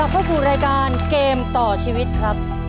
เข้าสู่รายการเกมต่อชีวิตครับ